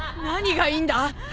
何がいいんだ？